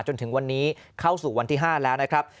จนถึงวันนี้เข้าสู่วันที่๕แล้วนะครับ